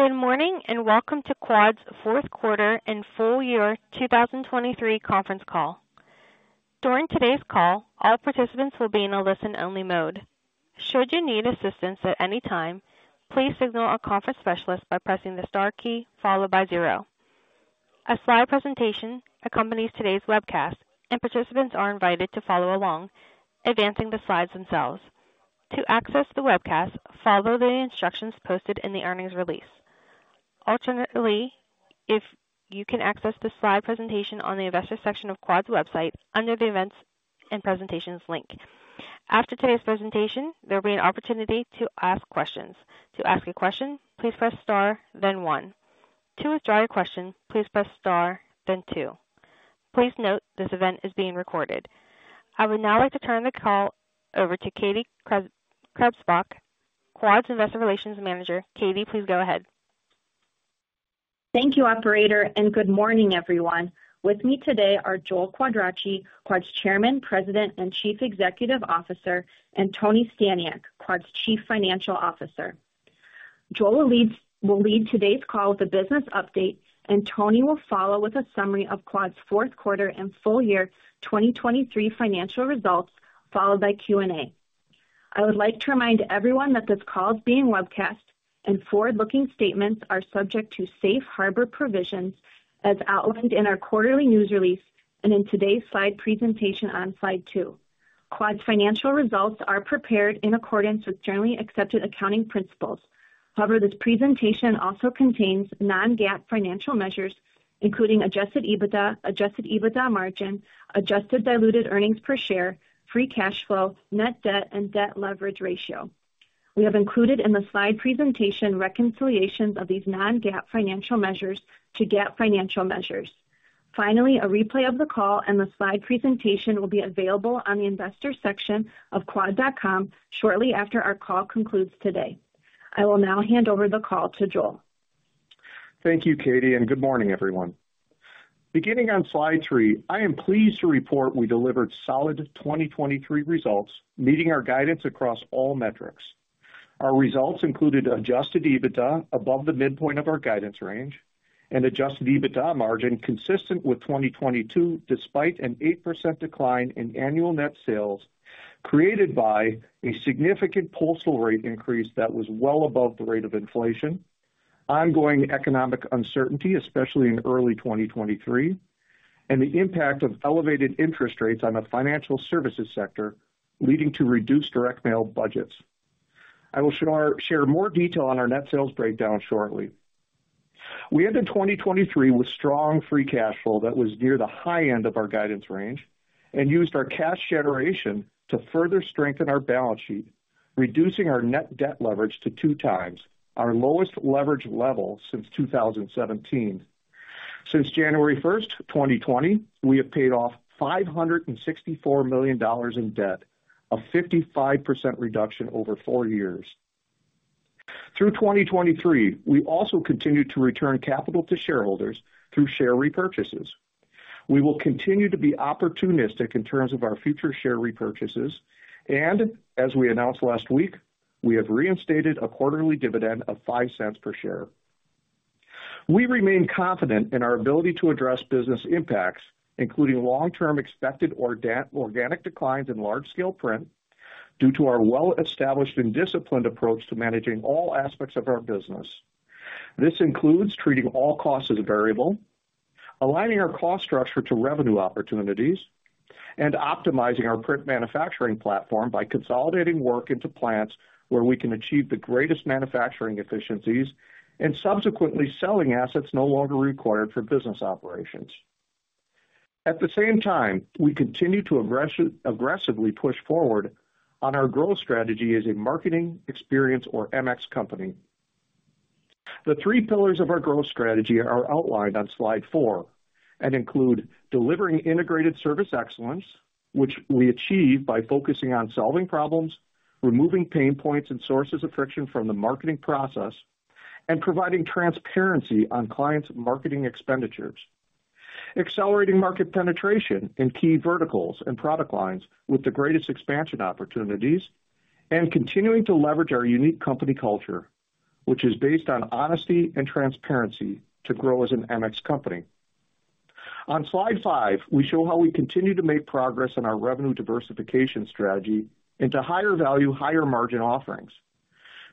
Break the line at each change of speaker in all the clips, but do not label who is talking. Good morning and welcome to Quad's Fourth Quarter and Full Year 2023 Conference Call. During today's call, all participants will be in a listen-only mode. Should you need assistance at any time, please signal a conference specialist by pressing the star key followed by zero. A slide presentation accompanies today's webcast, and participants are invited to follow along, advancing the slides themselves. To access the webcast, follow the instructions posted in the earnings release. Alternatively, you can access the slide presentation on the Investor section of Quad's website under the Events and Presentations link. After today's presentation, there will be an opportunity to ask questions. To ask a question, please press star, then one. To withdraw your question, please press star, then two. Please note, this event is being recorded. I would now like to turn the call over to Katie Krebsbach, Quad's Investor Relations Manager. Katie, please go ahead.
Thank you, Operator, and good morning, everyone. With me today are Joel Quadracci, Quad's Chairman, President, and Chief Executive Officer, and Tony Staniak, Quad's Chief Financial Officer. Joel will lead today's call with a business update, and Tony will follow with a summary of Quad's Fourth Quarter and Full Year 2023 Financial Results, followed by Q&A. I would like to remind everyone that this call is being webcast, and forward-looking statements are subject to safe harbor provisions as outlined in our quarterly news release and in today's slide presentation on slide two. Quad's financial results are prepared in accordance with generally accepted accounting principles. However, this presentation also contains non-GAAP financial measures, including Adjusted EBITDA, Adjusted EBITDA margin, adjusted diluted earnings per share, free cash flow, net debt, and debt leverage ratio. We have included in the slide presentation reconciliations of these non-GAAP financial measures to GAAP financial measures. Finally, a replay of the call and the slide presentation will be available on the Investor section of quad.com shortly after our call concludes today. I will now hand over the call to Joel.
Thank you, Katie, and good morning, everyone. Beginning on slide three, I am pleased to report we delivered solid 2023 results, meeting our guidance across all metrics. Our results included Adjusted EBITDA above the midpoint of our guidance range, an Adjusted EBITDA margin consistent with 2022 despite an 8% decline in annual net sales, created by a significant postal rate increase that was well above the rate of inflation, ongoing economic uncertainty, especially in early 2023, and the impact of elevated interest rates on the financial services sector, leading to reduced direct mail budgets. I will share more detail on our net sales breakdown shortly. We ended 2023 with strong free cash flow that was near the high end of our guidance range and used our cash generation to further strengthen our balance sheet, reducing our net debt leverage to 2x, our lowest leverage level since 2017. Since January 1st, 2020, we have paid off $564 million in debt, a 55% reduction over four years. Through 2023, we also continue to return capital to shareholders through share repurchases. We will continue to be opportunistic in terms of our future share repurchases, and as we announced last week, we have reinstated a quarterly dividend of $0.05 per share. We remain confident in our ability to address business impacts, including long-term expected organic declines in large-scale print, due to our well-established and disciplined approach to managing all aspects of our business. This includes treating all costs as variable, aligning our cost structure to revenue opportunities, and optimizing our print manufacturing platform by consolidating work into plants where we can achieve the greatest manufacturing efficiencies and subsequently selling assets no longer required for business operations. At the same time, we continue to aggressively push forward on our growth strategy as a marketing experience or MX company. The three pillars of our growth strategy are outlined on slide four and include delivering integrated service excellence, which we achieve by focusing on solving problems, removing pain points and sources of friction from the marketing process, and providing transparency on clients' marketing expenditures, accelerating market penetration in key verticals and product lines with the greatest expansion opportunities, and continuing to leverage our unique company culture, which is based on honesty and transparency to grow as an MX company. On slide five, we show how we continue to make progress in our revenue diversification strategy into higher value, higher margin offerings.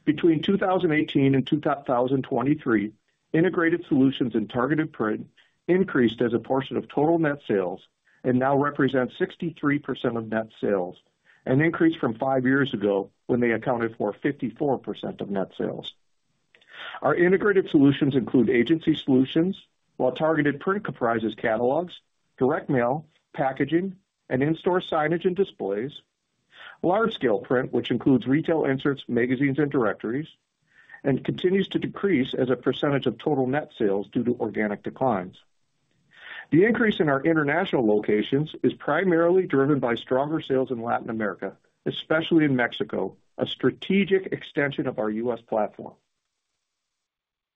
Between 2018 and 2023, integrated solutions and targeted print increased as a portion of total net sales and now represent 63% of net sales, an increase from five years ago when they accounted for 54% of net sales. Our integrated solutions include agency solutions, while targeted print comprises catalogs, direct mail, packaging, and in-store signage and displays, large-scale print, which includes retail inserts, magazines, and directories, and continues to decrease as a percentage of total net sales due to organic declines. The increase in our international locations is primarily driven by stronger sales in Latin America, especially in Mexico, a strategic extension of our U.S. platform.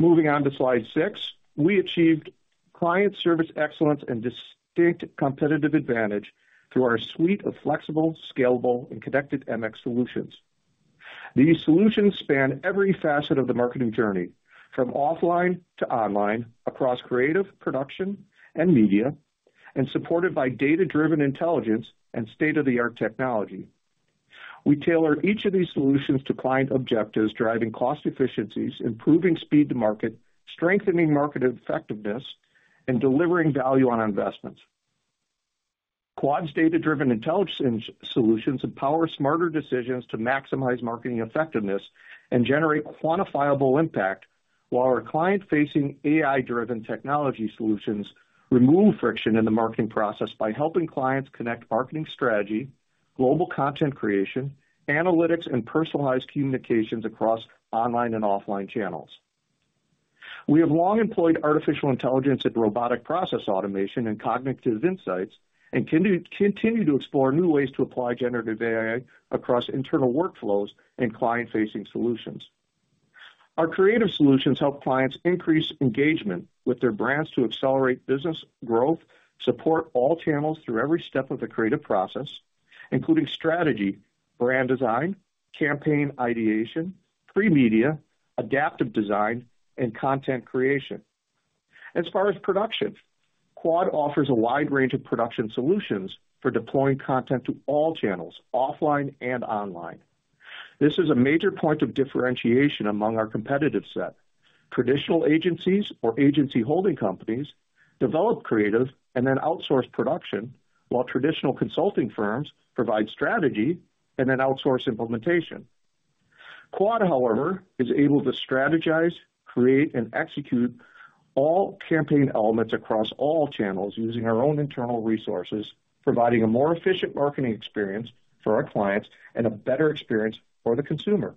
Moving on to slide six, we achieved client service excellence and distinct competitive advantage through our suite of flexible, scalable, and connected MX solutions. These solutions span every facet of the marketing journey, from offline to online, across creative, production, and media, and supported by data-driven intelligence and state-of-the-art technology. We tailor each of these solutions to client objectives, driving cost efficiencies, improving speed to market, strengthening market effectiveness, and delivering value on investments. Quad's data-driven intelligence solutions empower smarter decisions to maximize marketing effectiveness and generate quantifiable impact, while our client-facing AI-driven technology solutions remove friction in the marketing process by helping clients connect marketing strategy, global content creation, analytics, and personalized communications across online and offline channels. We have long employed artificial intelligence and robotic process automation and cognitive insights and continue to explore new ways to apply generative AI across internal workflows and client-facing solutions. Our creative solutions help clients increase engagement with their brands to accelerate business growth, support all channels through every step of the creative process, including strategy, brand design, campaign ideation, pre-media, adaptive design, and content creation. As far as production, Quad offers a wide range of production solutions for deploying content to all channels, offline and online. This is a major point of differentiation among our competitive set. Traditional agencies or agency holding companies develop creative and then outsource production, while traditional consulting firms provide strategy and then outsource implementation. Quad, however, is able to strategize, create, and execute all campaign elements across all channels using our own internal resources, providing a more efficient marketing experience for our clients and a better experience for the consumer.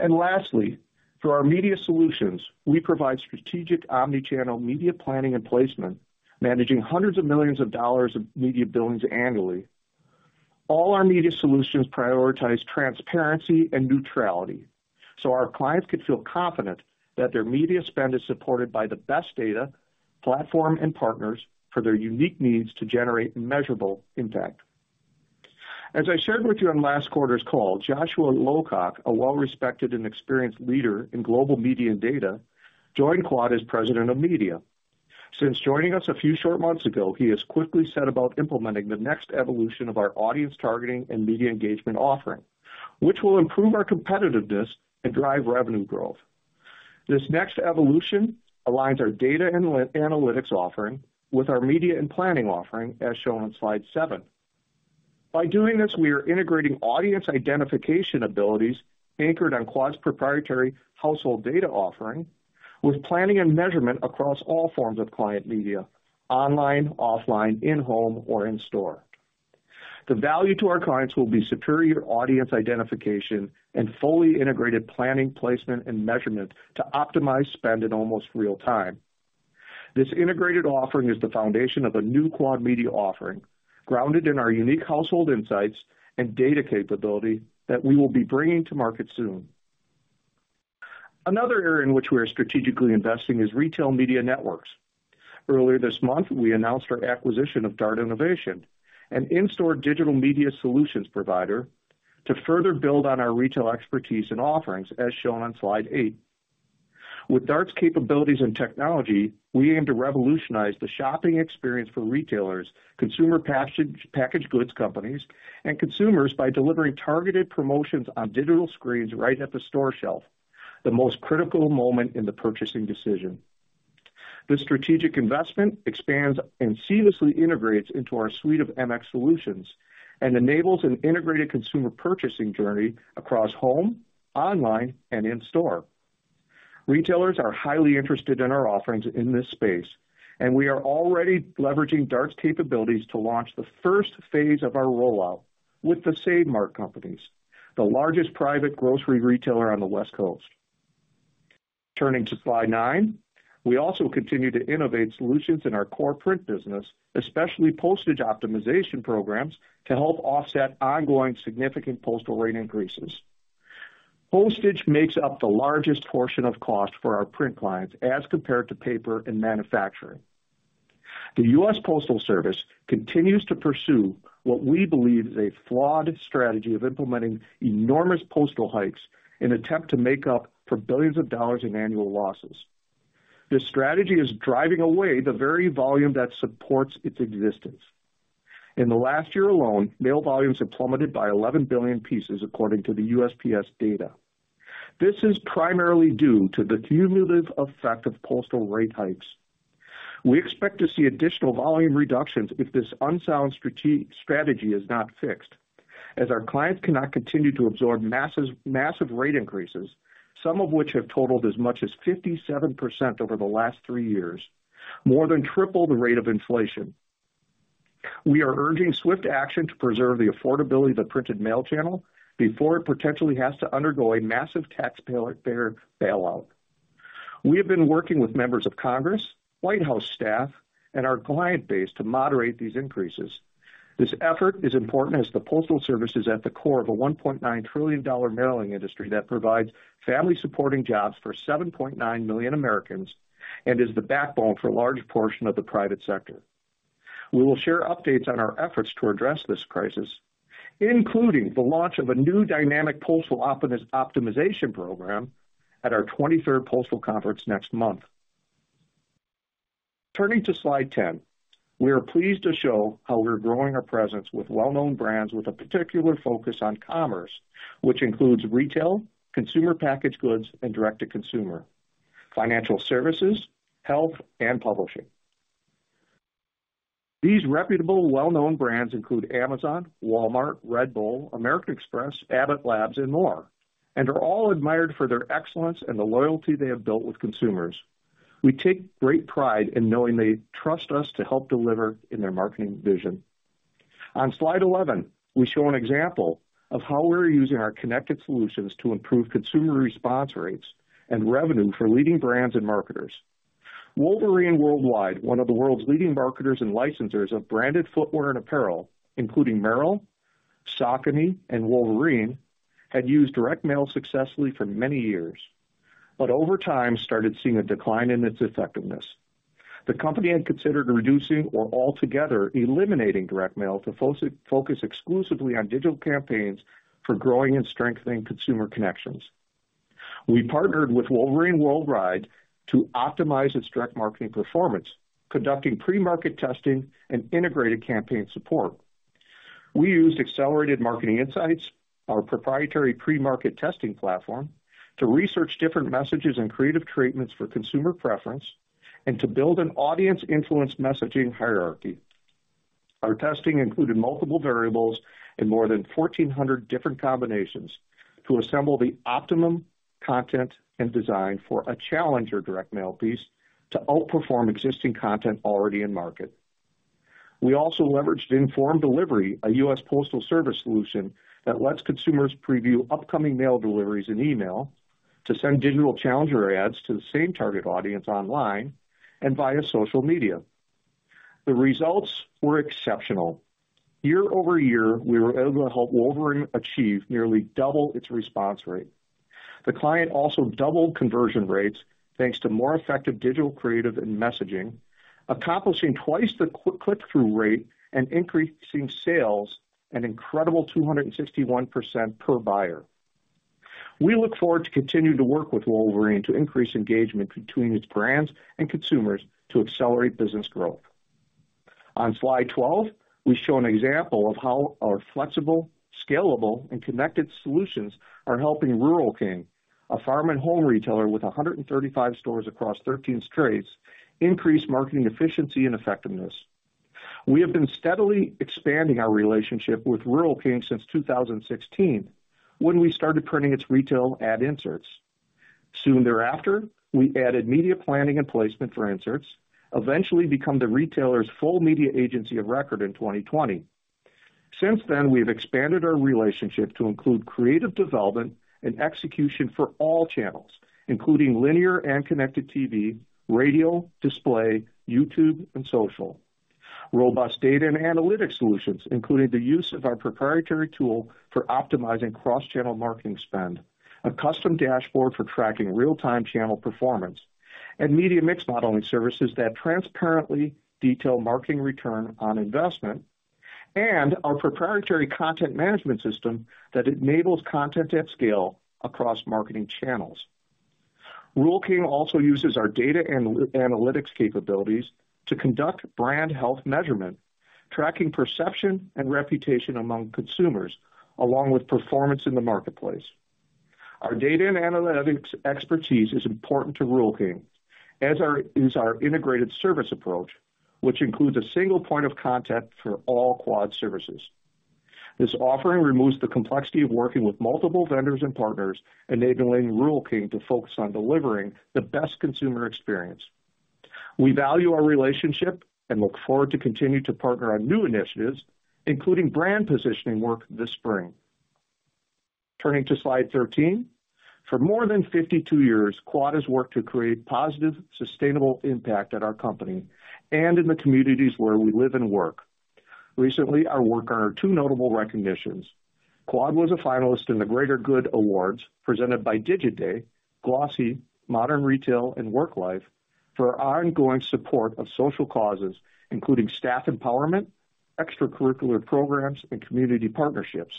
And lastly, through our media solutions, we provide strategic omnichannel media planning and placement, managing hundreds of millions of dollars of media billings annually. All our media solutions prioritize transparency and neutrality so our clients could feel confident that their media spend is supported by the best data, platform, and partners for their unique needs to generate measurable impact. As I shared with you on last quarter's call, Joshua Lowcock, a well-respected and experienced leader in global media and data, joined Quad as President of Media. Since joining us a few short months ago, he has quickly set about implementing the next evolution of our audience targeting and media engagement offering, which will improve our competitiveness and drive revenue growth. This next evolution aligns our data and analytics offering with our media and planning offering, as shown on slide seven. By doing this, we are integrating audience identification abilities anchored on Quad's proprietary household data offering with planning and measurement across all forms of client media: online, offline, in-home, or in-store. The value to our clients will be superior audience identification and fully integrated planning, placement, and measurement to optimize spend in almost real time. This integrated offering is the foundation of a new Quad media offering grounded in our unique household insights and data capability that we will be bringing to market soon. Another area in which we are strategically investing is retail media networks. Earlier this month, we announced our acquisition of DART Innovation, an in-store digital media solutions provider, to further build on our retail expertise and offerings, as shown on slide eight. With DART's capabilities and technology, we aim to revolutionize the shopping experience for retailers, consumer packaged goods companies, and consumers by delivering targeted promotions on digital screens right at the store shelf, the most critical moment in the purchasing decision. This strategic investment expands and seamlessly integrates into our suite of MX solutions and enables an integrated consumer purchasing journey across home, online, and in-store. Retailers are highly interested in our offerings in this space, and we are already leveraging DART's capabilities to launch the first phase of our rollout with the Save Mart Companies, the largest private grocery retailer on the West Coast. Turning to slide nine, we also continue to innovate solutions in our core print business, especially postage optimization programs, to help offset ongoing significant postal rate increases. Postage makes up the largest portion of cost for our print clients as compared to paper and manufacturing. The U.S. Postal Service continues to pursue what we believe is a flawed strategy of implementing enormous postal hikes in an attempt to make up for billions of dollars in annual losses. This strategy is driving away the very volume that supports its existence. In the last year alone, mail volumes have plummeted by 11 billion pieces, according to the USPS data. This is primarily due to the cumulative effect of postal rate hikes. We expect to see additional volume reductions if this unsound strategy is not fixed, as our clients cannot continue to absorb massive rate increases, some of which have totaled as much as 57% over the last three years, more than triple the rate of inflation. We are urging swift action to preserve the affordability of the printed mail channel before it potentially has to undergo a massive taxpayer bailout. We have been working with members of Congress, White House staff, and our client base to moderate these increases. This effort is important as the Postal Service is at the core of a $1.9 trillion mailing industry that provides family-supporting jobs for 7.9 million Americans and is the backbone for a large portion of the private sector. We will share updates on our efforts to address this crisis, including the launch of a new dynamic postal optimization program at our 23rd Postal Conference next month. Turning to slide 10, we are pleased to show how we're growing our presence with well-known brands with a particular focus on commerce, which includes retail, consumer packaged goods, and direct-to-consumer, financial services, health, and publishing. These reputable, well-known brands include Amazon, Walmart, Red Bull, American Express, Abbott Labs, and more, and are all admired for their excellence and the loyalty they have built with consumers. We take great pride in knowing they trust us to help deliver in their marketing vision. On slide 11, we show an example of how we're using our connected solutions to improve consumer response rates and revenue for leading brands and marketers. Wolverine Worldwide, one of the world's leading marketers and licensors of branded footwear and apparel, including Merrell, Saucony, and Wolverine, had used direct mail successfully for many years, but over time started seeing a decline in its effectiveness. The company had considered reducing or altogether eliminating direct mail to focus exclusively on digital campaigns for growing and strengthening consumer connections. We partnered with Wolverine Worldwide to optimize its direct marketing performance, conducting pre-market testing and integrated campaign support. We used Accelerated Marketing Insights, our proprietary pre-market testing platform, to research different messages and creative treatments for consumer preference and to build an audience-influenced messaging hierarchy. Our testing included multiple variables and more than 1,400 different combinations to assemble the optimum content and design for a challenger direct mail piece to outperform existing content already in market. We also leveraged Informed Delivery, a U.S. Postal Service solution that lets consumers preview upcoming mail deliveries in email to send digital challenger ads to the same target audience online and via social media. The results were exceptional. Year-over-year, we were able to help Wolverine achieve nearly double its response rate. The client also doubled conversion rates thanks to more effective digital creative and messaging, accomplishing twice the click-through rate and increasing sales an incredible 261% per buyer. We look forward to continuing to work with Wolverine to increase engagement between its brands and consumers to accelerate business growth. On slide 12, we show an example of how our flexible, scalable, and connected solutions are helping Rural King, a farm-and-home retailer with 135 stores across 13 states, increase marketing efficiency and effectiveness. We have been steadily expanding our relationship with Rural King since 2016 when we started printing its retail ad inserts. Soon thereafter, we added media planning and placement for inserts, eventually becoming the retailer's full media agency of record in 2020. Since then, we have expanded our relationship to include creative development and execution for all channels, including linear TV and connected TV, radio, display, YouTube, and social, robust data and analytics solutions, including the use of our proprietary tool for optimizing cross-channel marketing spend, a custom dashboard for tracking real-time channel performance, and media mix modeling services that transparently detail marketing return on investment, and our proprietary content management system that enables content at scale across marketing channels. Rural King also uses our data and analytics capabilities to conduct brand health measurement, tracking perception and reputation among consumers, along with performance in the marketplace. Our data and analytics expertise is important to Rural King, as is our integrated service approach, which includes a single point of contact for all Quad services. This offering removes the complexity of working with multiple vendors and partners, enabling Rural King to focus on delivering the best consumer experience. We value our relationship and look forward to continuing to partner on new initiatives, including brand positioning work this spring. Turning to slide 13, for more than 52 years, Quad has worked to create positive, sustainable impact at our company and in the communities where we live and work. Recently, our work earned two notable recognitions. Quad was a finalist in the Greater Good Awards presented by Digiday, Glossy, Modern Retail, and WorkLife for ongoing support of social causes, including staff empowerment, extracurricular programs, and community partnerships.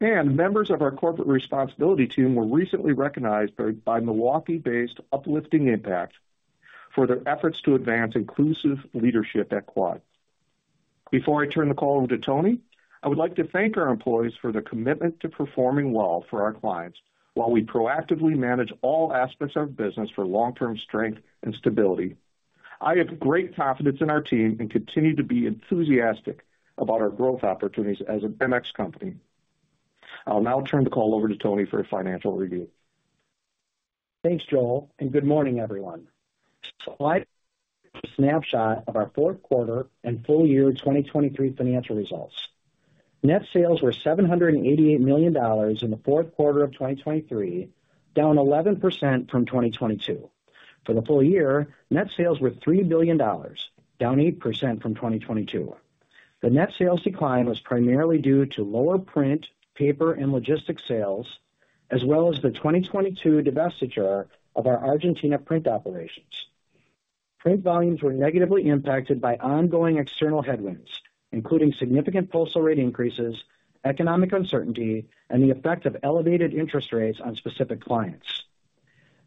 Members of our corporate responsibility team were recently recognized by Milwaukee-based Uplifting Impact for their efforts to advance inclusive leadership at Quad. Before I turn the call over to Tony, I would like to thank our employees for their commitment to performing well for our clients while we proactively manage all aspects of business for long-term strength and stability. I have great confidence in our team and continue to be enthusiastic about our growth opportunities as an MX company. I'll now turn the call over to Tony for a financial review.
Thanks, Joel, and good morning, everyone. Slide is a snapshot of our Fourth Quarter and Full Year 2023 Financial Results. Net sales were $788 million in the fourth quarter of 2023, down 11% from 2022. For the full year, net sales were $3 billion, down 8% from 2022. The net sales decline was primarily due to lower print, paper, and logistics sales, as well as the 2022 divestiture of our Argentina print operations. Print volumes were negatively impacted by ongoing external headwinds, including significant postal rate increases, economic uncertainty, and the effect of elevated interest rates on specific clients.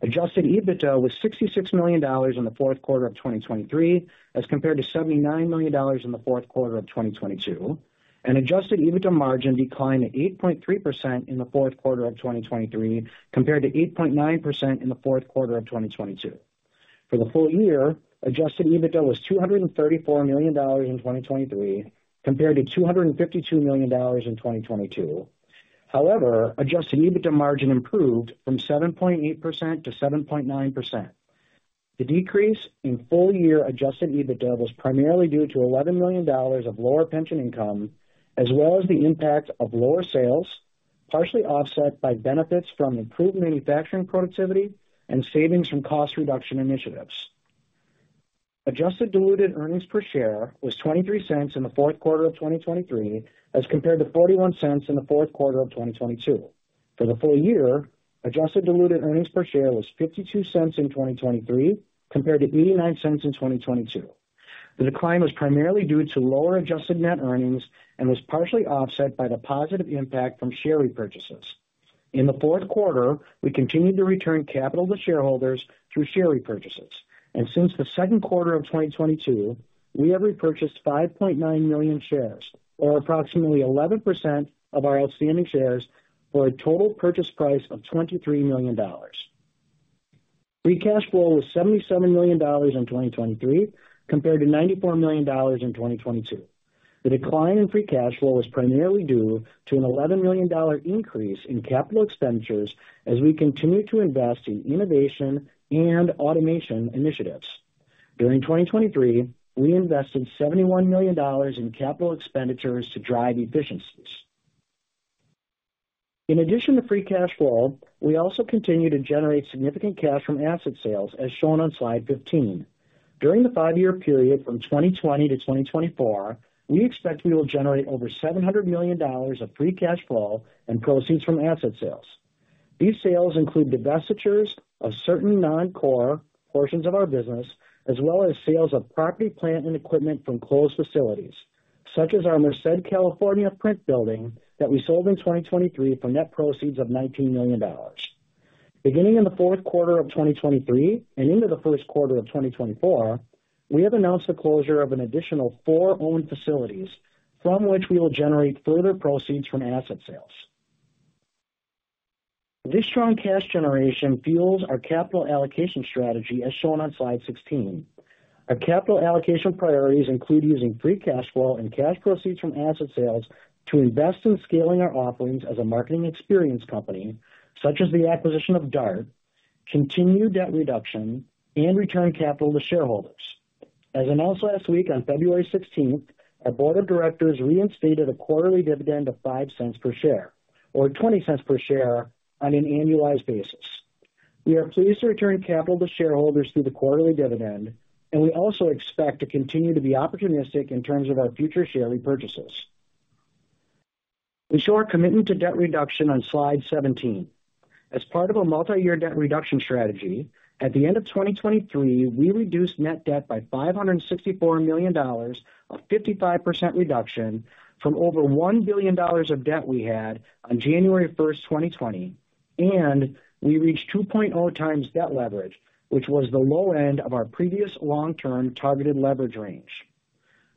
Adjusted EBITDA was $66 million in the fourth quarter of 2023 as compared to $79 million in the fourth quarter of 2022, and Adjusted EBITDA margin declined 8.3% in the fourth quarter of 2023 compared to 8.9% in the fourth quarter of 2022. For the full year, Adjusted EBITDA was $234 million in 2023 compared to $252 million in 2022. However, Adjusted EBITDA margin improved from 7.8%-7.9%. The decrease in full year Adjusted EBITDA was primarily due to $11 million of lower pension income, as well as the impact of lower sales, partially offset by benefits from improved manufacturing productivity and savings from cost reduction initiatives. Adjusted Diluted Earnings Per Share was $0.23 in the fourth quarter of 2023 as compared to $0.41 in the fourth quarter of 2022. For the full year, Adjusted Diluted Earnings Per Share was $0.52 in 2023 compared to $0.89 in 2022. The decline was primarily due to lower adjusted net earnings and was partially offset by the positive impact from share repurchases. In the fourth quarter, we continued to return capital to shareholders through share repurchases. Since the second quarter of 2022, we have repurchased 5.9 million shares, or approximately 11% of our outstanding shares, for a total purchase price of $23 million. Free cash flow was $77 million in 2023 compared to $94 million in 2022. The decline in free cash flow was primarily due to an $11 million increase in capital expenditures as we continue to invest in innovation and automation initiatives. During 2023, we invested $71 million in capital expenditures to drive efficiencies. In addition to free cash flow, we also continue to generate significant cash from asset sales, as shown on slide 15. During the five-year period from 2020 to 2024, we expect we will generate over $700 million of free cash flow and proceeds from asset sales. These sales include divestitures of certain non-core portions of our business, as well as sales of property, plant, and equipment from closed facilities, such as our Merced, California print building that we sold in 2023 for net proceeds of $19 million. Beginning in the fourth quarter of 2023 and into the first quarter of 2024, we have announced the closure of an additional four owned facilities, from which we will generate further proceeds from asset sales. This strong cash generation fuels our capital allocation strategy, as shown on slide 16. Our capital allocation priorities include using free cash flow and cash proceeds from asset sales to invest in scaling our offerings as a marketing experience company, such as the acquisition of DART, continued debt reduction, and return capital to shareholders. As announced last week on February 16th, our board of directors reinstated a quarterly dividend of $0.05 per share, or $0.20 per share, on an annualized basis. We are pleased to return capital to shareholders through the quarterly dividend, and we also expect to continue to be opportunistic in terms of our future share repurchases. We show our commitment to debt reduction on slide 17. As part of a multi-year debt reduction strategy, at the end of 2023, we reduced net debt by $564 million, a 55% reduction from over $1 billion of debt we had on January 1st, 2020, and we reached 2.0x debt leverage, which was the low end of our previous long-term targeted leverage range.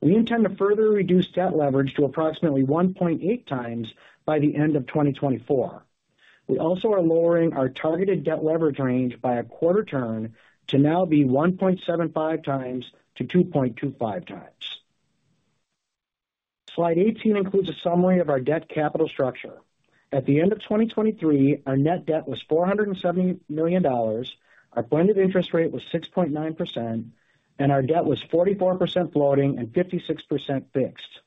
We intend to further reduce debt leverage to approximately 1.8x by the end of 2024. We also are lowering our targeted debt leverage range by a quarter turn to now be 1.75x-2.25x. Slide 18 includes a summary of our debt capital structure. At the end of 2023, our net debt was $470 million, our blended interest rate was 6.9%, and our debt was 44% floating and 56% fixed.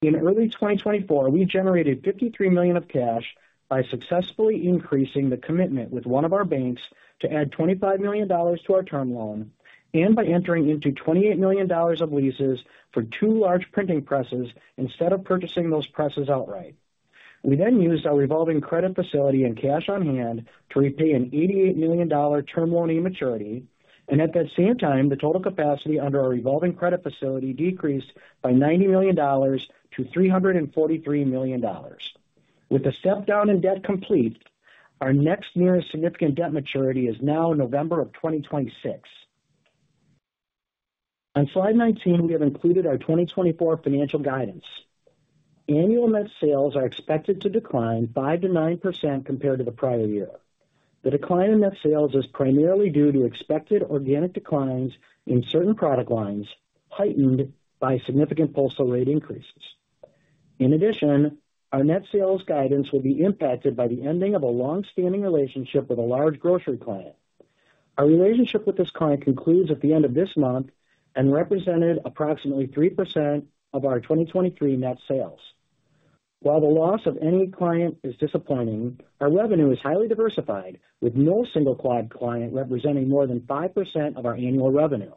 In early 2024, we generated $53 million of cash by successfully increasing the commitment with one of our banks to add $25 million to our term loan and by entering into $28 million of leases for two large printing presses instead of purchasing those presses outright. We then used our revolving credit facility and cash on hand to repay an $88 million term loan maturity. At that same time, the total capacity under our revolving credit facility decreased by $90 million to $343 million. With the step down in debt complete, our next nearest significant debt maturity is now November of 2026. On slide 19, we have included our 2024 financial guidance. Annual net sales are expected to decline 5%-9% compared to the prior year. The decline in net sales is primarily due to expected organic declines in certain product lines heightened by significant postal rate increases. In addition, our net sales guidance will be impacted by the ending of a long-standing relationship with a large grocery client. Our relationship with this client concludes at the end of this month and represented approximately 3% of our 2023 net sales. While the loss of any client is disappointing, our revenue is highly diversified, with no single Quad client representing more than 5% of our annual revenue.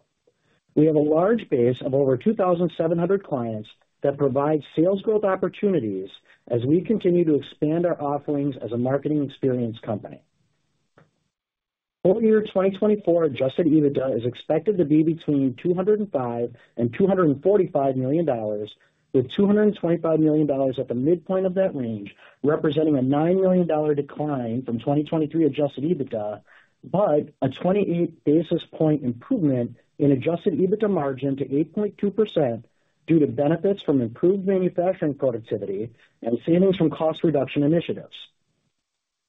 We have a large base of over 2,700 clients that provide sales growth opportunities as we continue to expand our offerings as a marketing experience company. Full year 2024 Adjusted EBITDA is expected to be between $205-$245 million, with $225 million at the midpoint of that range representing a $9 million decline from 2023 Adjusted EBITDA but a 28 basis point improvement in Adjusted EBITDA margin to 8.2% due to benefits from improved manufacturing productivity and savings from cost reduction initiatives.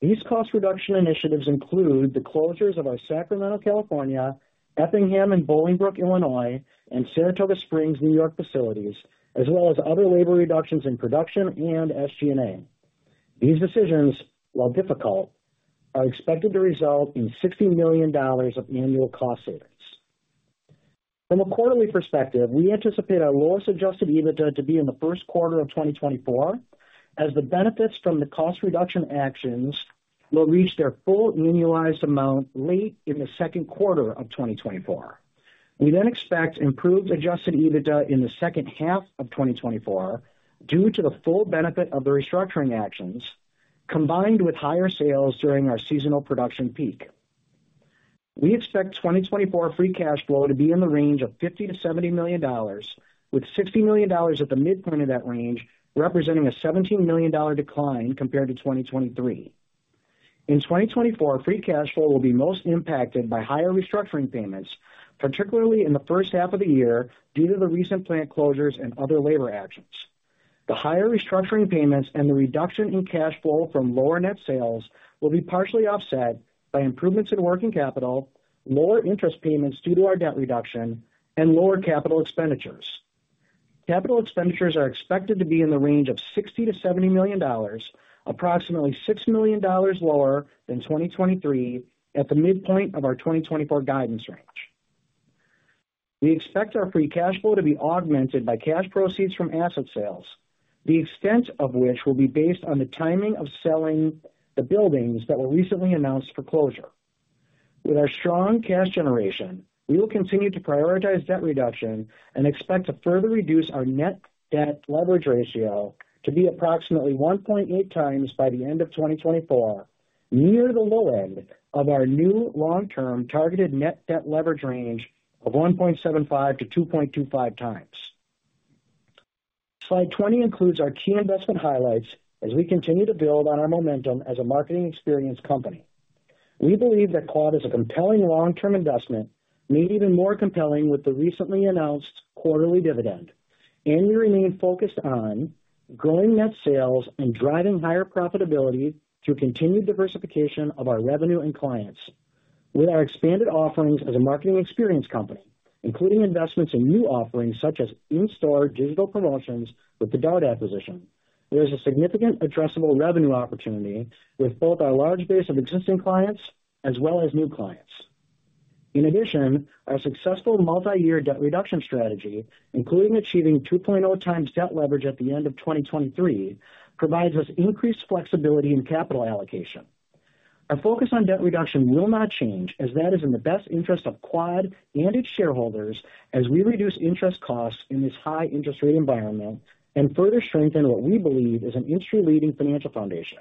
These cost reduction initiatives include the closures of our Sacramento, California, Effingham, and Bolingbrook, Illinois, and Saratoga Springs, New York facilities, as well as other labor reductions in production and SG&A. These decisions, while difficult, are expected to result in $60 million of annual cost savings. From a quarterly perspective, we anticipate our lowest Adjusted EBITDA to be in the first quarter of 2024, as the benefits from the cost reduction actions will reach their full annualized amount late in the second quarter of 2024. We then expect improved Adjusted EBITDA in the second half of 2024 due to the full benefit of the restructuring actions combined with higher sales during our seasonal production peak. We expect 2024 free cash flow to be in the range of $50-$70 million, with $60 million at the midpoint of that range representing a $17 million decline compared to 2023. In 2024, free cash flow will be most impacted by higher restructuring payments, particularly in the first half of the year due to the recent plant closures and other labor actions. The higher restructuring payments and the reduction in cash flow from lower net sales will be partially offset by improvements in working capital, lower interest payments due to our debt reduction, and lower capital expenditures. Capital expenditures are expected to be in the range of $60-$70 million, approximately $6 million lower than 2023 at the midpoint of our 2024 guidance range. We expect our free cash flow to be augmented by cash proceeds from asset sales, the extent of which will be based on the timing of selling the buildings that were recently announced for closure. With our strong cash generation, we will continue to prioritize debt reduction and expect to further reduce our net debt leverage ratio to be approximately 1.8x by the end of 2024, near the low end of our new long-term targeted net debt leverage range of 1.75x-2.25x. Slide 20 includes our key investment highlights as we continue to build on our momentum as a marketing experience company. We believe that Quad is a compelling long-term investment, made even more compelling with the recently announced quarterly dividend, and we remain focused on growing net sales and driving higher profitability through continued diversification of our revenue and clients. With our expanded offerings as a marketing experience company, including investments in new offerings such as in-store digital promotions with the DART acquisition, there is a significant addressable revenue opportunity with both our large base of existing clients as well as new clients. In addition, our successful multi-year debt reduction strategy, including achieving 2.0x debt leverage at the end of 2023, provides us increased flexibility in capital allocation. Our focus on debt reduction will not change, as that is in the best interest of Quad and its shareholders, as we reduce interest costs in this high-interest rate environment and further strengthen what we believe is an industry-leading financial foundation.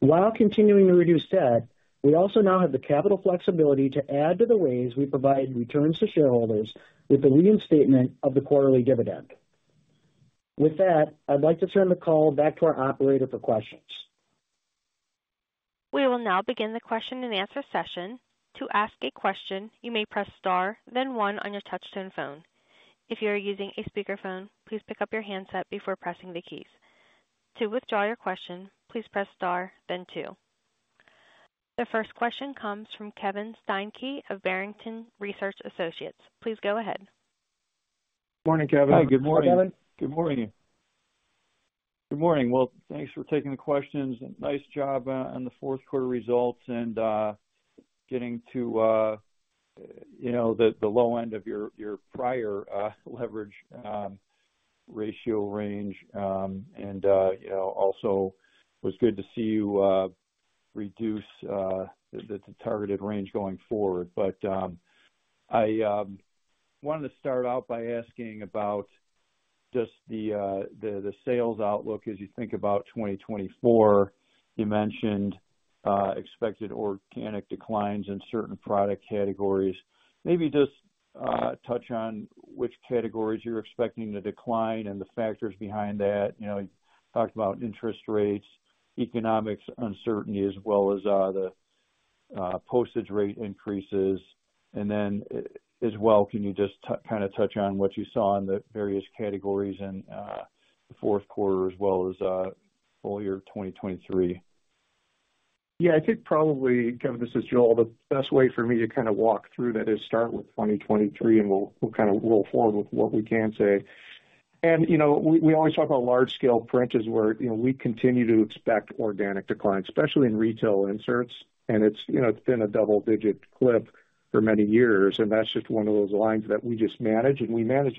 While continuing to reduce debt, we also now have the capital flexibility to add to the ways we provide returns to shareholders with the reinstatement of the quarterly dividend. With that, I'd like to turn the call back to our operator for questions.
We will now begin the question and answer session. To ask a question, you may press star, then one on your touchscreen phone. If you are using a speakerphone, please pick up your handset before pressing the keys. To withdraw your question, please press star, then two. The first question comes from Kevin Steinke of Barrington Research Associates. Please go ahead.
Morning, Kevin.
Hi, good morning.
Hi, Kevin. Good morning.
Good morning. Well, thanks for taking the questions. Nice job on the fourth quarter results and getting to the low end of your prior leverage ratio range. Also it was good to see you reduce the targeted range going forward. But I wanted to start out by asking about just the sales outlook as you think about 2024. You mentioned expected organic declines in certain product categories. Maybe just touch on which categories you're expecting to decline and the factors behind that. You talked about interest rates, economic uncertainty, as well as the postage rate increases. And then as well, can you just kind of touch on what you saw in the various categories in the fourth quarter as well as full year 2023?
Yeah, I think probably, Kevin, this is Joel. The best way for me to kind of walk through that is start with 2023, and we'll kind of roll forward with what we can say. We always talk about large-scale print is where we continue to expect organic decline, especially in retail inserts. And it's been a double-digit clip for many years. And that's just one of those lines that we just manage. And we manage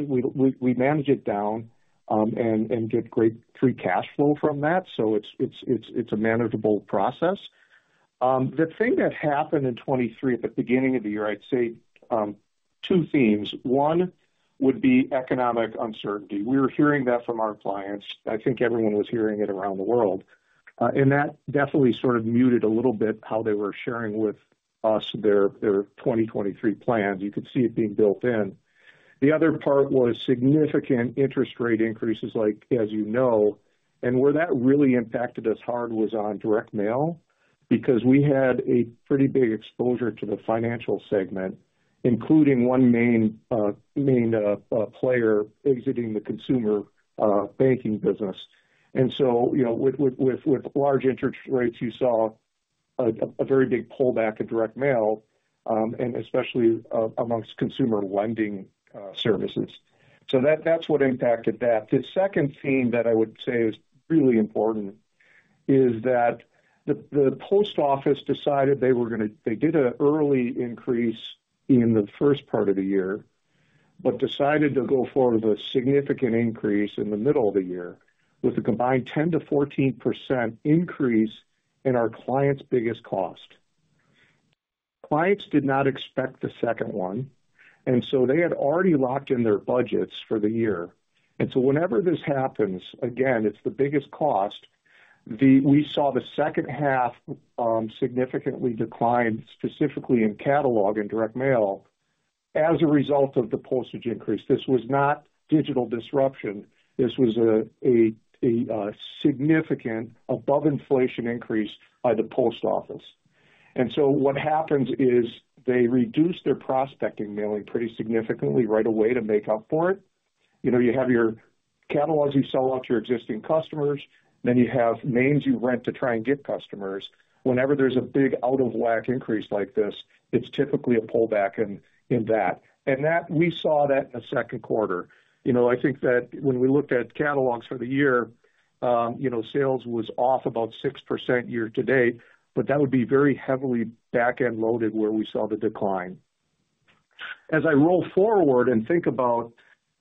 it down and get great free cash flow from that. So it's a manageable process. The thing that happened in 2023 at the beginning of the year, I'd say two themes. One would be economic uncertainty. We were hearing that from our clients. I think everyone was hearing it around the world. And that definitely sort of muted a little bit how they were sharing with us their 2023 plans. You could see it being built in. The other part was significant interest rate increases, as you know. And where that really impacted us hard was on direct mail because we had a pretty big exposure to the financial segment, including one main player exiting the consumer banking business. And so with large interest rates, you saw a very big pullback in direct mail, and especially amongst consumer lending services. So that's what impacted that. The second theme that I would say is really important is that the Post Office decided they did an early increase in the first part of the year, but decided to go forward with a significant increase in the middle of the year with a combined 10%-14% increase in our client's biggest cost. Clients did not expect the second one. And so they had already locked in their budgets for the year. And so whenever this happens, again, it's the biggest cost. We saw the second half significantly decline, specifically in catalog and direct mail, as a result of the postage increase. This was not digital disruption. This was a significant above-inflation increase by the Post Office. And so what happens is they reduce their prospecting mailing pretty significantly right away to make up for it. You have your catalogs you sell out to your existing customers. Then you have names you rent to try and get customers. Whenever there's a big out-of-whack increase like this, it's typically a pullback in that. And we saw that in the second quarter. I think that when we looked at catalogs for the year, sales was off about 6% year-to-date. But that would be very heavily backend-loaded where we saw the decline. As I roll forward and think about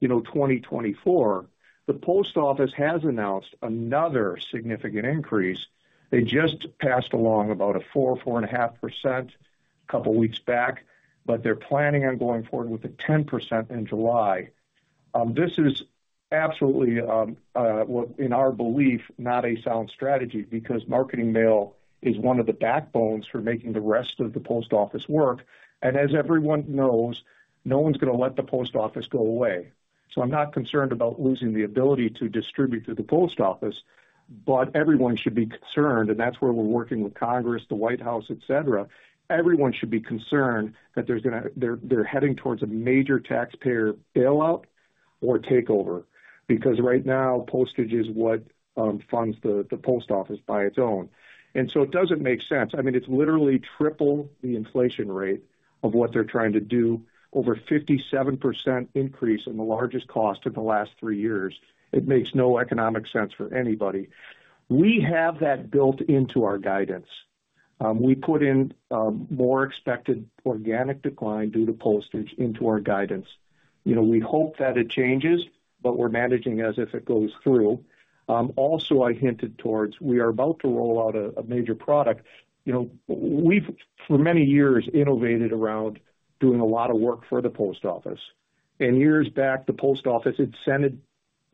2024, the Post Office has announced another significant increase. They just passed along about 4.4%-4.5% a couple of weeks back, but they're planning on going forward with a 10% in July. This is absolutely, in our belief, not a sound strategy because marketing mail is one of the backbones for making the rest of the Post Office work. And as everyone knows, no one's going to let the Post Office go away. So I'm not concerned about losing the ability to distribute through the Post Office. But everyone should be concerned. And that's where we're working with Congress, the White House, etc. Everyone should be concerned that they're heading towards a major taxpayer bailout or takeover because right now, postage is what funds the Post Office by its own. And so it doesn't make sense. I mean, it's literally triple the inflation rate of what they're trying to do, over 57% increase in the largest cost in the last three years. It makes no economic sense for anybody. We have that built into our guidance. We put in more expected organic decline due to postage into our guidance. We hope that it changes, but we're managing as if it goes through. Also, I hinted towards we are about to roll out a major product. We've, for many years, innovated around doing a lot of work for the Post Office. And years back, the Post Office, it sent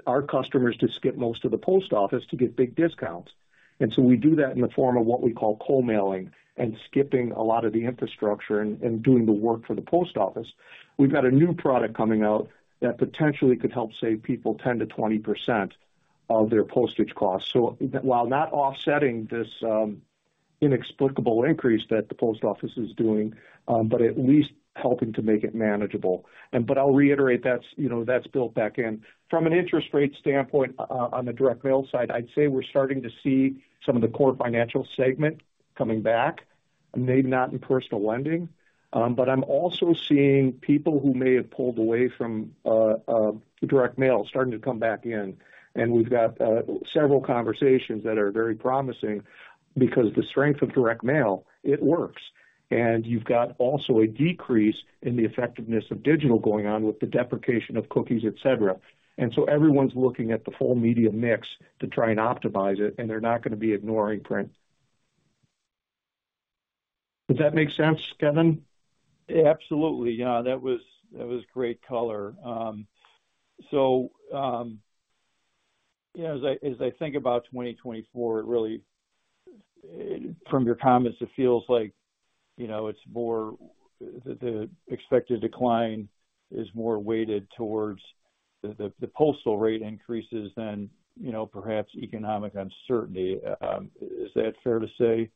our customers to skip most of the Post Office to get big discounts. And so we do that in the form of what we call co-mailing and skipping a lot of the infrastructure and doing the work for the Post Office. We've got a new product coming out that potentially could help save people 10%-20% of their postage costs. So while not offsetting this inexplicable increase that the Post Office is doing, but at least helping to make it manageable. But I'll reiterate, that's built back in. From an interest rate standpoint on the direct mail side, I'd say we're starting to see some of the core financial segment coming back, maybe not in personal lending. But I'm also seeing people who may have pulled away from direct mail starting to come back in. And we've got several conversations that are very promising because the strength of direct mail, it works. And you've got also a decrease in the effectiveness of digital going on with the deprecation of cookies, etc. And so everyone's looking at the full media mix to try and optimize it. And they're not going to be ignoring print. Does that make sense, Kevin?
Absolutely. Yeah, that was great color. So as I think about 2024, it really, from your comments, it feels like it's more the expected decline is more weighted towards the postal rate increases than perhaps economic uncertainty. Is that fair to say?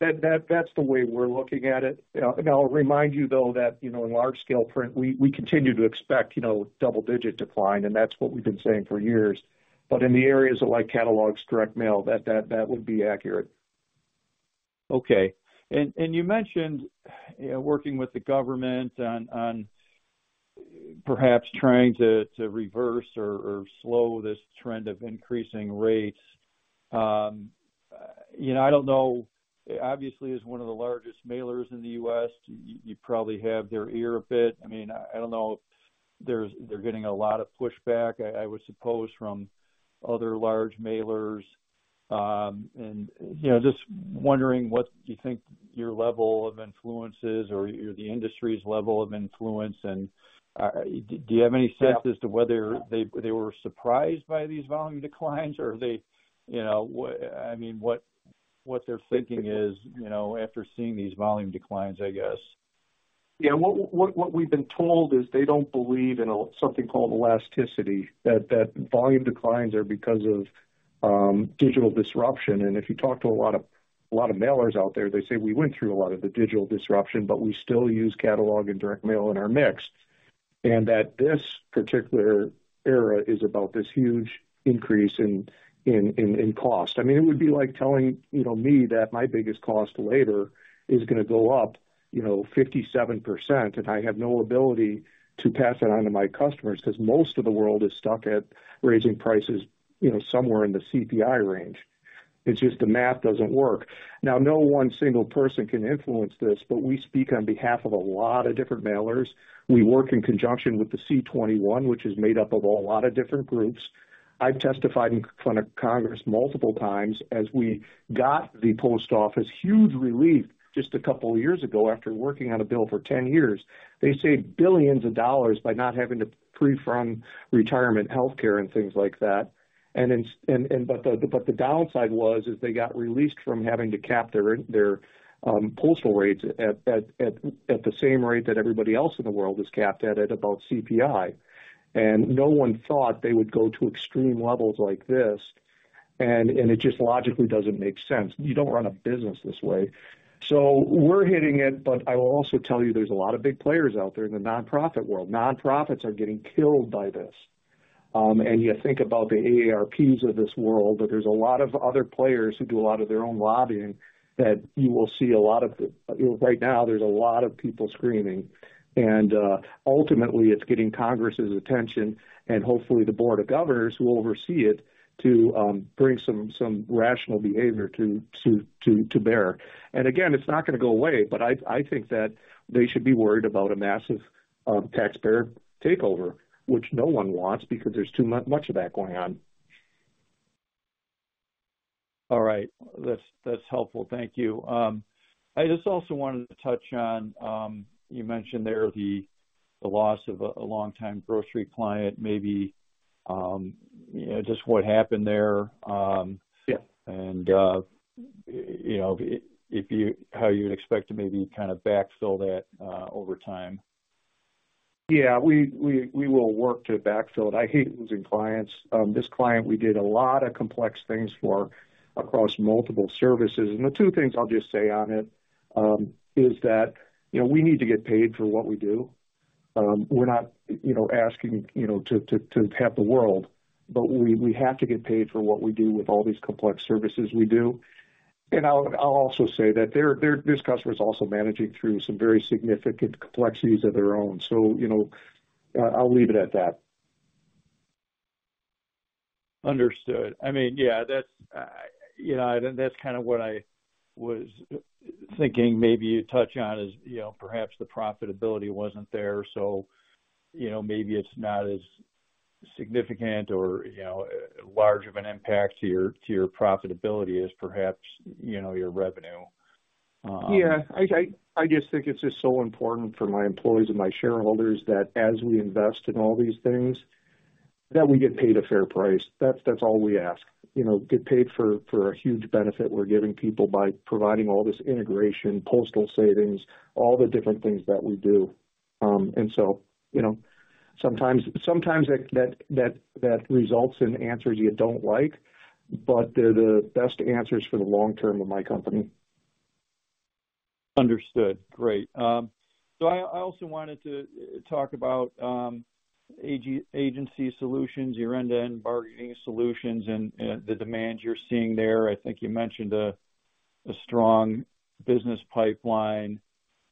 That's the way we're looking at it. I'll remind you, though, that in large-scale print, we continue to expect double-digit decline. That's what we've been saying for years. But in the areas of catalogs, direct mail, that would be accurate.
Okay. And you mentioned working with the government on perhaps trying to reverse or slow this trend of increasing rates. I don't know. Obviously, as one of the largest mailers in the U.S., you probably have their ear a bit. I mean, I don't know if they're getting a lot of pushback, I would suppose, from other large mailers. And just wondering what you think your level of influence is or the industry's level of influence. And do you have any sense as to whether they were surprised by these volume declines, or are they? I mean, what they're thinking is after seeing these volume declines, I guess.
Yeah. What we've been told is they don't believe in something called elasticity, that volume declines are because of digital disruption. And if you talk to a lot of mailers out there, they say, "We went through a lot of the digital disruption, but we still use catalog and direct mail in our mix." And that this particular era is about this huge increase in cost. I mean, it would be like telling me that my biggest cost later is going to go up 57%, and I have no ability to pass it on to my customers because most of the world is stuck at raising prices somewhere in the CPI range. It's just the math doesn't work. Now, no one single person can influence this, but we speak on behalf of a lot of different mailers. We work in conjunction with the C21, which is made up of a lot of different groups. I've testified in front of Congress multiple times as we got the Post Office huge relief just a couple of years ago after working on a bill for 10 years. They saved $ billions by not having to prefront retirement healthcare and things like that. But the downside was is they got released from having to cap their postal rates at the same rate that everybody else in the world is capped at at about CPI. And no one thought they would go to extreme levels like this. And it just logically doesn't make sense. You don't run a business this way. So we're hitting it. But I will also tell you, there's a lot of big players out there in the nonprofit world. Nonprofits are getting killed by this. And you think about the AARP's of this world, but there's a lot of other players who do a lot of their own lobbying that you will see a lot of right now. There's a lot of people screaming. And ultimately, it's getting Congress's attention, and hopefully, the Board of Governors who oversee it to bring some rational behavior to bear. And again, it's not going to go away. But I think that they should be worried about a massive taxpayer takeover, which no one wants because there's too much of that going on.
All right. That's helpful. Thank you. I just also wanted to touch on you mentioned there the loss of a longtime grocery client, maybe just what happened there, and how you'd expect to maybe kind of backfill that over time.
Yeah, we will work to backfill it. I hate losing clients. This client, we did a lot of complex things for across multiple services. And the two things I'll just say on it is that we need to get paid for what we do. We're not asking to have the world, but we have to get paid for what we do with all these complex services we do. And I'll also say that this customer is also managing through some very significant complexities of their own. So I'll leave it at that.
Understood. I mean, yeah, that's kind of what I was thinking maybe you touched on is perhaps the profitability wasn't there. So maybe it's not as significant or large of an impact to your profitability as perhaps your revenue.
Yeah. I just think it's just so important for my employees and my shareholders that as we invest in all these things, that we get paid a fair price. That's all we ask. Get paid for a huge benefit we're giving people by providing all this integration, postal savings, all the different things that we do. And so sometimes that results in answers you don't like, but they're the best answers for the long term of my company.
Understood. Great. So I also wanted to talk about agency solutions, your end-to-end bargaining solutions, and the demand you're seeing there. I think you mentioned a strong business pipeline.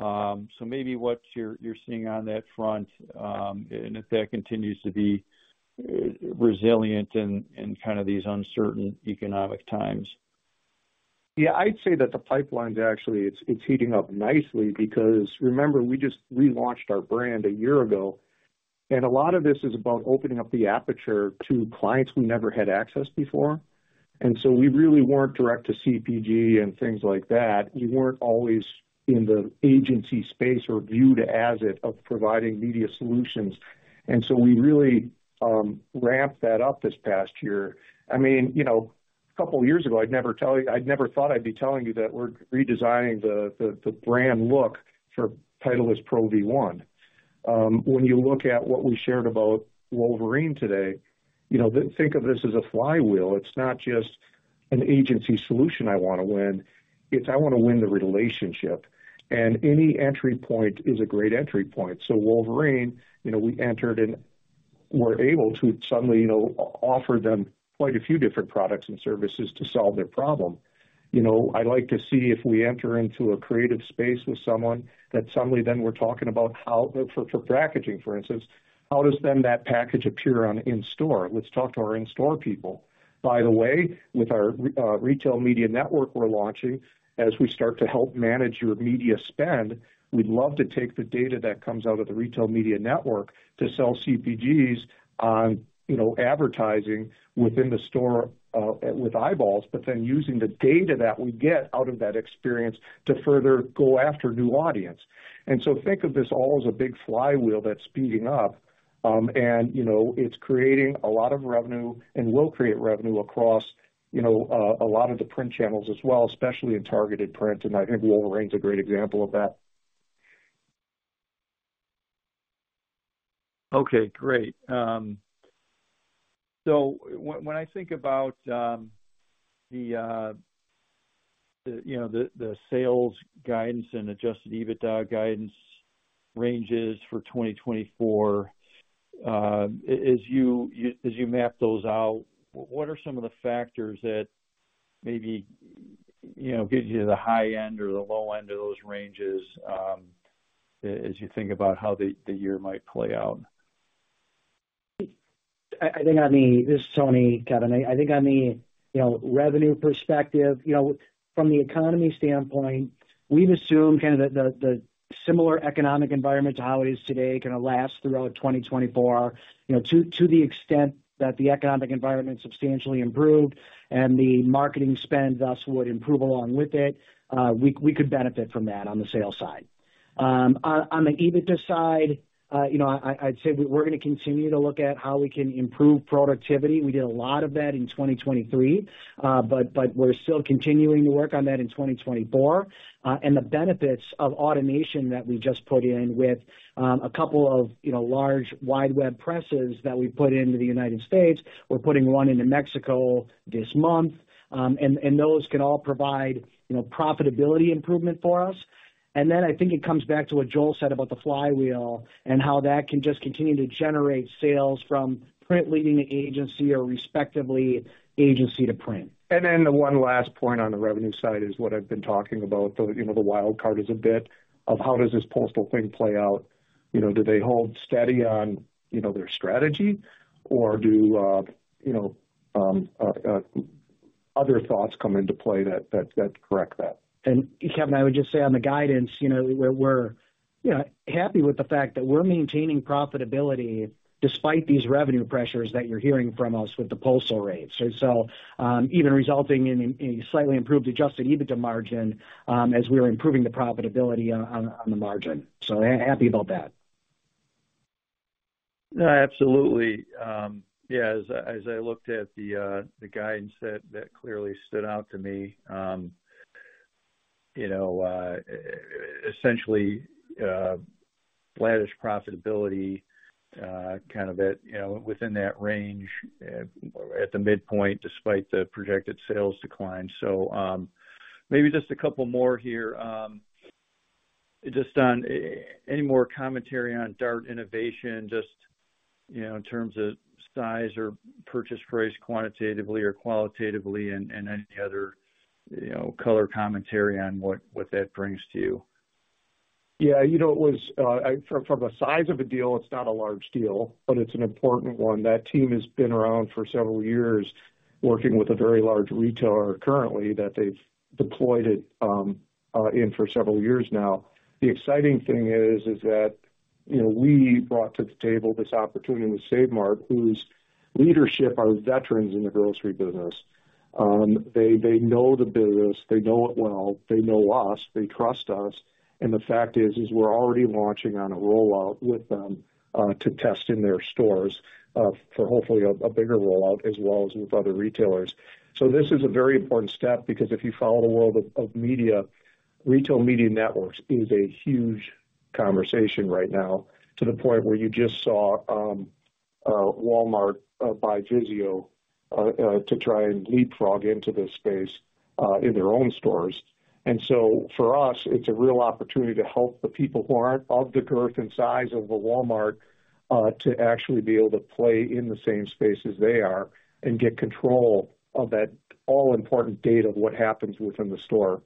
So maybe what you're seeing on that front, and if that continues to be resilient in kind of these uncertain economic times.
Yeah, I'd say that the pipeline's actually it's heating up nicely because remember, we just relaunched our brand a year ago. And a lot of this is about opening up the aperture to clients we never had access before. And so we really weren't direct to CPG and things like that. We weren't always in the agency space or viewed as it of providing media solutions. And so we really ramped that up this past year. I mean, a couple of years ago, I'd never tell you I'd never thought I'd be telling you that we're redesigning the brand look for Titleist Pro V1. When you look at what we shared about Wolverine today, think of this as a flywheel. It's not just an agency solution I want to win. It's, "I want to win the relationship." And any entry point is a great entry point. So Wolverine, we entered and were able to suddenly offer them quite a few different products and services to solve their problem. I like to see if we enter into a creative space with someone that suddenly then we're talking about how for packaging, for instance, how does then that package appear in-store? Let's talk to our in-store people. By the way, with our retail media network we're launching, as we start to help manage your media spend, we'd love to take the data that comes out of the retail media network to sell CPGs on advertising within the store with eyeballs, but then using the data that we get out of that experience to further go after new audience. And so think of this all as a big flywheel that's speeding up. It's creating a lot of revenue and will create revenue across a lot of the print channels as well, especially in targeted print. And I think Wolverine's a great example of that.
Okay. Great. So when I think about the sales guidance and Adjusted EBITDA guidance ranges for 2024, as you map those out, what are some of the factors that maybe get you to the high end or the low end of those ranges as you think about how the year might play out?
This is Tony, Kevin. I think on the revenue perspective, from the economy standpoint, we've assumed kind of that the similar economic environment to how it is today kind of lasts throughout 2024. To the extent that the economic environment substantially improved and the marketing spend thus would improve along with it, we could benefit from that on the sales side. On the EBITDA side, I'd say we're going to continue to look at how we can improve productivity. We did a lot of that in 2023, but we're still continuing to work on that in 2024. And the benefits of automation that we just put in with a couple of large wide web presses that we put into the United States, we're putting one into Mexico this month. And those can all provide profitability improvement for us. And then I think it comes back to what Joel said about the flywheel and how that can just continue to generate sales from print leading the agency or respectively agency to print.
And then the one last point on the revenue side is what I've been talking about, the wild card is a bit of how does this postal thing play out? Do they hold steady on their strategy, or do other thoughts come into play that correct that?
Kevin, I would just say on the guidance, we're happy with the fact that we're maintaining profitability despite these revenue pressures that you're hearing from us with the postal rates, so even resulting in a slightly improved Adjusted EBITDA margin as we're improving the profitability on the margin. So happy about that.
Absolutely. Yeah. As I looked at the guidance, that clearly stood out to me. Essentially, flat-ish profitability kind of within that range at the midpoint despite the projected sales decline. So maybe just a couple more here. Just any more commentary on DART Innovation, just in terms of size or purchase price quantitatively or qualitatively, and any other color commentary on what that brings to you.
Yeah. From the size of a deal, it's not a large deal, but it's an important one. That team has been around for several years working with a very large retailer currently that they've deployed it in for several years now. The exciting thing is that we brought to the table this opportunity with Save Mart, whose leadership are veterans in the grocery business. They know the business. They know it well. They know us. They trust us. And the fact is, we're already launching on a rollout with them to test in their stores for hopefully a bigger rollout as well as with other retailers. So this is a very important step because if you follow the world of media, retail media networks is a huge conversation right now to the point where you just saw Walmart buy VIZIO to try and leapfrog into this space in their own stores. And so for us, it's a real opportunity to help the people who aren't of the girth and size of the Walmart to actually be able to play in the same space as they are and get control of that all-important data of what happens within the store.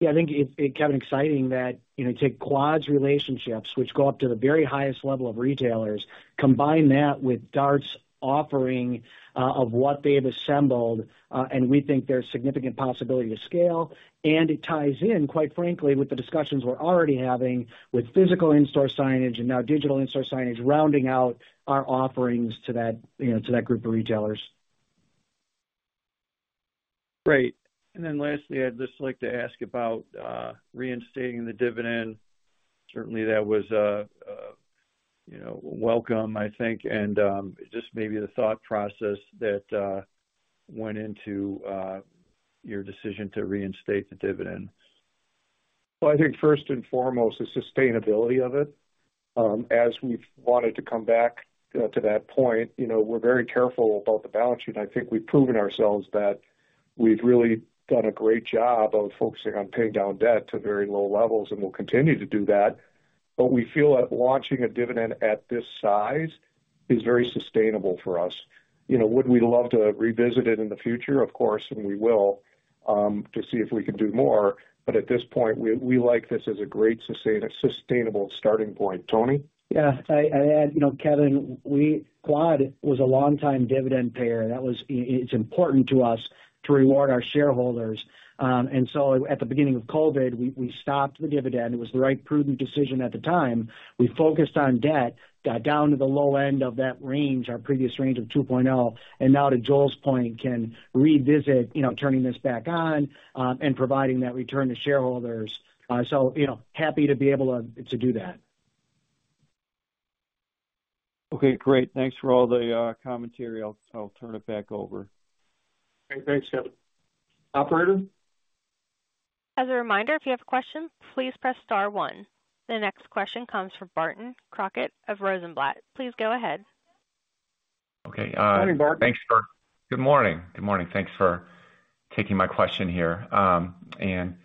Yeah. I think, Kevin, exciting that you take Quad's relationships, which go up to the very highest level of retailers, combine that with DART's offering of what they've assembled, and we think there's significant possibility to scale. It ties in, quite frankly, with the discussions we're already having with physical in-store signage and now digital in-store signage rounding out our offerings to that group of retailers.
Great. Then lastly, I'd just like to ask about reinstating the dividend. Certainly, that was welcome, I think, and just maybe the thought process that went into your decision to reinstate the dividend.
Well, I think first and foremost, the sustainability of it. As we've wanted to come back to that point, we're very careful about the balance sheet. I think we've proven ourselves that we've really done a great job of focusing on paying down debt to very low levels, and we'll continue to do that. But we feel that launching a dividend at this size is very sustainable for us. Would we love to revisit it in the future? Of course, and we will to see if we can do more. But at this point, we like this as a great sustainable starting point. Tony?
Yeah. I'd add, Kevin, Quad was a longtime dividend payer. It's important to us to reward our shareholders. And so at the beginning of COVID, we stopped the dividend. It was the right prudent decision at the time. We focused on debt, got down to the low end of that range, our previous range of 2.0, and now to Joel's point, can revisit turning this back on and providing that return to shareholders. So happy to be able to do that.
Okay. Great. Thanks for all the commentary. I'll turn it back over.
Great. Thanks, Kevin. Operator?
As a reminder, if you have a question, please press star one. The next question comes from Barton Crockett of Rosenblatt. Please go ahead.
Morning, Barton.
Good morning. Good morning. Thanks for taking my question here. And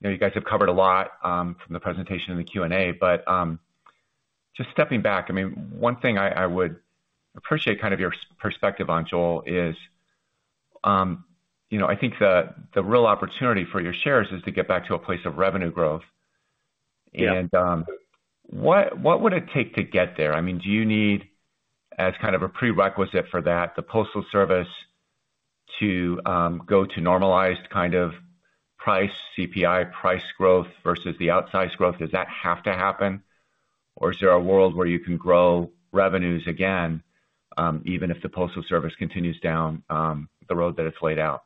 you guys have covered a lot from the presentation and the Q&A. But just stepping back, I mean, one thing I would appreciate kind of your perspective on, Joel, is I think the real opportunity for your shares is to get back to a place of revenue growth. And what would it take to get there? I mean, do you need as kind of a prerequisite for that, the Postal Service to go to normalized kind of price, CPI price growth versus the outsize growth? Does that have to happen, or is there a world where you can grow revenues again even if the Postal Service continues down the road that it's laid out?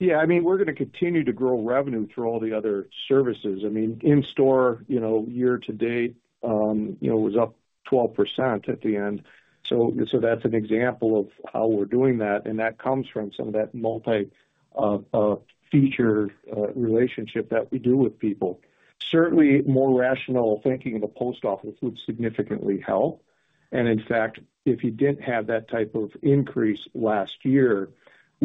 Yeah. I mean, we're going to continue to grow revenue through all the other services. I mean, in-store year-to-date was up 12% at the end. So that's an example of how we're doing that. And that comes from some of that multi-feature relationship that we do with people. Certainly, more rational thinking of the Post Office would significantly help. And in fact, if you didn't have that type of increase last year,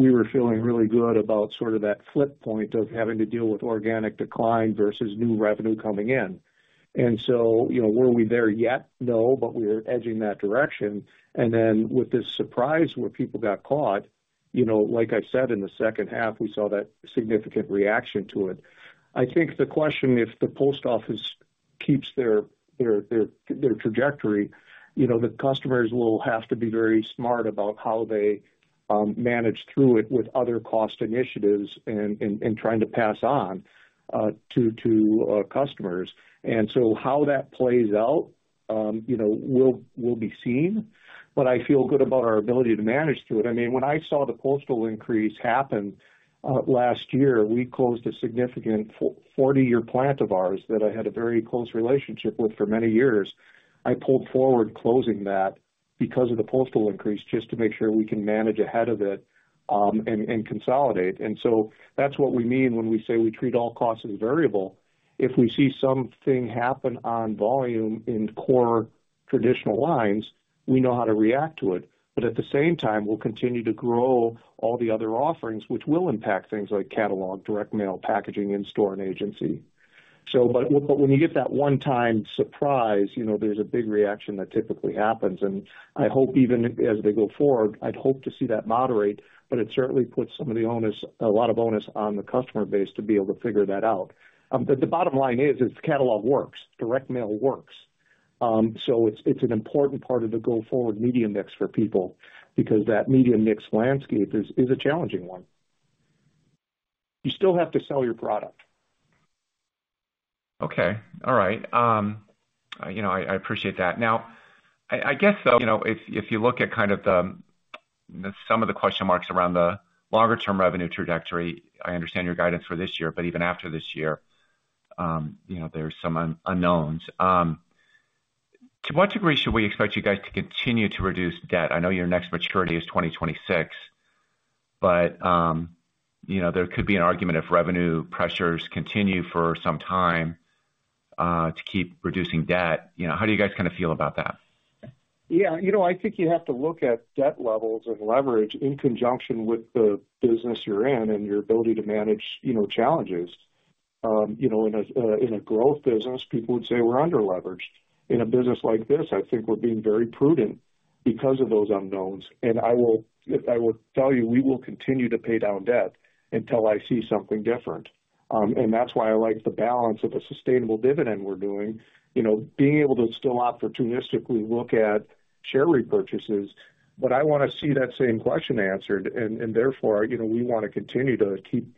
we were feeling really good about sort of that flip point of having to deal with organic decline versus new revenue coming in. And so were we there yet? No, but we were edging that direction. And then with this surprise where people got caught, like I said, in the second half, we saw that significant reaction to it. I think the question, if the Post Office keeps their trajectory, the customers will have to be very smart about how they manage through it with other cost initiatives and trying to pass on to customers. And so how that plays out will be seen. But I feel good about our ability to manage through it. I mean, when I saw the postal increase happen last year, we closed a significant 40-year plant of ours that I had a very close relationship with for many years. I pulled forward closing that because of the postal increase just to make sure we can manage ahead of it and consolidate. And so that's what we mean when we say we treat all costs as variable. If we see something happen on volume in core traditional lines, we know how to react to it. But at the same time, we'll continue to grow all the other offerings, which will impact things like catalog, direct mail, packaging, in-store, and agency. But when you get that one-time surprise, there's a big reaction that typically happens. And I hope even as they go forward, I'd hope to see that moderate, but it certainly puts some of the onus, a lot of onus on the customer base to be able to figure that out. But the bottom line is, the catalog works. Direct mail works. So it's an important part of the go-forward media mix for people because that media mix landscape is a challenging one. You still have to sell your product.
Okay. All right. I appreciate that. Now, I guess, though, if you look at kind of some of the question marks around the longer-term revenue trajectory, I understand your guidance for this year, but even after this year, there's some unknowns. To what degree should we expect you guys to continue to reduce debt? I know your next maturity is 2026, but there could be an argument if revenue pressures continue for some time to keep reducing debt. How do you guys kind of feel about that?
Yeah. I think you have to look at debt levels and leverage in conjunction with the business you're in and your ability to manage challenges. In a growth business, people would say we're underleveraged. In a business like this, I think we're being very prudent because of those unknowns. And I will tell you, we will continue to pay down debt until I see something different. And that's why I like the balance of a sustainable dividend we're doing, being able to still opportunistically look at share repurchases. But I want to see that same question answered. And therefore, we want to continue to keep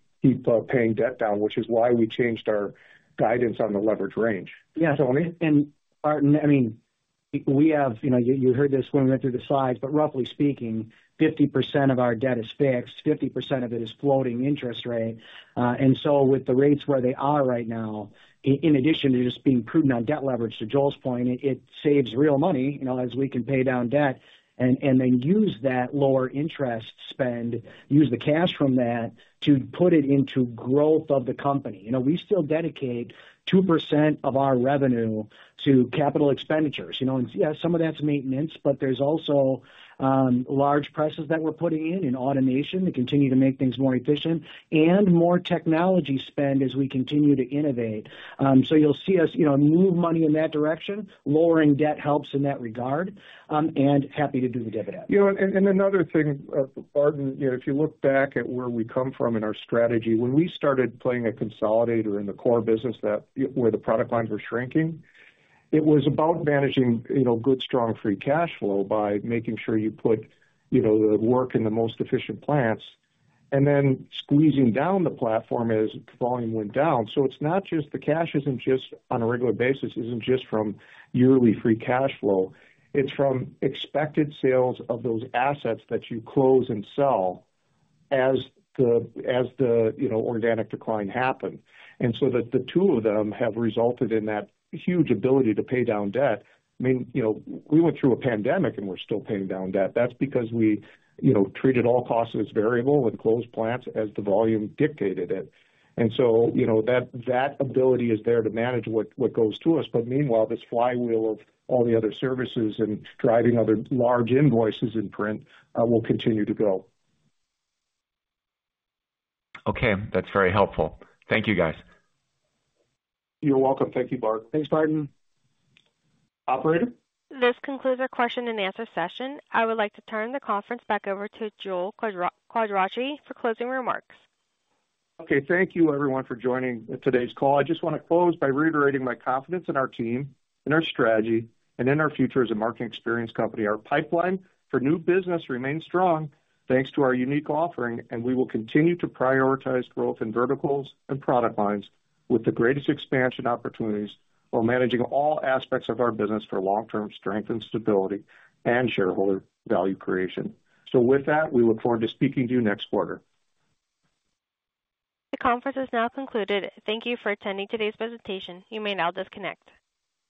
paying debt down, which is why we changed our guidance on the leverage range.
Yeah. And Barton, I mean, you've heard this when we went through the slides, but roughly speaking, 50% of our debt is fixed. 50% of it is floating interest rate. And so with the rates where they are right now, in addition to just being prudent on debt leverage, to Joel's point, it saves real money as we can pay down debt and then use that lower interest spend, use the cash from that to put it into growth of the company. We still dedicate 2% of our revenue to capital expenditures. And yeah, some of that's maintenance, but there's also large presses that we're putting in, in automation, to continue to make things more efficient and more technology spend as we continue to innovate. So you'll see us move money in that direction. Lowering debt helps in that regard. And happy to do the dividend.
And another thing, Barton, if you look back at where we come from in our strategy, when we started playing a consolidator in the core business where the product lines were shrinking, it was about managing good, strong, free cash flow by making sure you put the work in the most efficient plants and then squeezing down the platform as volume went down. So it's not just the cash isn't just on a regular basis, isn't just from yearly free cash flow. It's from expected sales of those assets that you close and sell as the organic decline happened. And so the two of them have resulted in that huge ability to pay down debt. I mean, we went through a pandemic, and we're still paying down debt. That's because we treated all costs as variable and closed plants as the volume dictated it. So that ability is there to manage what goes to us. But meanwhile, this flywheel of all the other services and driving other large invoices in print will continue to go.
Okay. That's very helpful. Thank you, guys.
You're welcome. Thank you, Barton.
Thanks, Barton. Operator?
This concludes our question-and-answer session. I would like to turn the conference back over to Joel Quadracci for closing remarks.
Okay. Thank you, everyone, for joining today's call. I just want to close by reiterating my confidence in our team, in our strategy, and in our future as a marketing experience company. Our pipeline for new business remains strong thanks to our unique offering, and we will continue to prioritize growth in verticals and product lines with the greatest expansion opportunities while managing all aspects of our business for long-term strength and stability and shareholder value creation. With that, we look forward to speaking to you next quarter.
The conference is now concluded. Thank you for attending today's presentation. You may now disconnect.